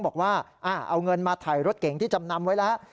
บอกว่าเอาเงินมาถ่ายรถเก๋งที่จำนำไว้แล้ว